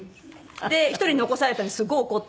１人残されたのをすごい怒って。